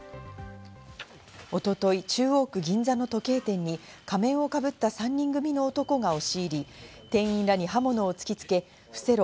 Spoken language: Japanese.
一昨日、中央区銀座の時計店に、仮面をかぶった３人組の男が押し入り、店員らに刃物を突きつけ、伏せろ。